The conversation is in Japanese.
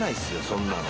そんなの。